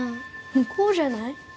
・向こうじゃない？